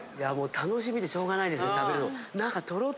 楽しみでしょうがないですね食べるの。